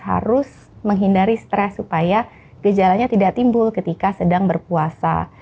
harus menghindari stres supaya gejalanya tidak timbul ketika sedang berpuasa